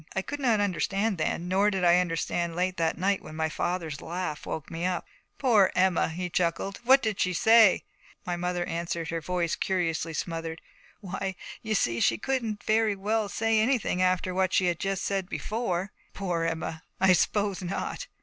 I could not understand then, nor did I understand late that night when my father's laugh woke me up. 'Poor Emma!' he chuckled. 'What did she say?' And my mother answered, her voice curiously smothered, 'Why, you see, she couldn't very well say anything after what she had just said before.' 'I suppose not. Poor Emma, I suppose not.'